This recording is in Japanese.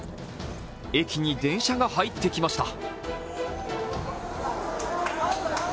駅に電車が入ってきました。